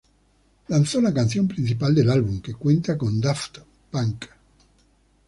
Lanzó la canción principal del álbum, que cuenta con Daft Punk.